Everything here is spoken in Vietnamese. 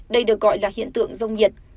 đây được gọi là hiện tượng rông nhiệt